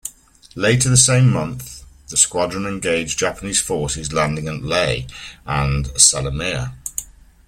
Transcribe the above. Later the same month, the squadron engaged Japanese forces landing at Lae and Salamaua.